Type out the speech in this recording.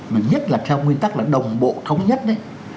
mà nhất là theo nguyên tắc là đồng bộ thống nhất đấy